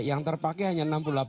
yang terpakai hanya enam puluh delapan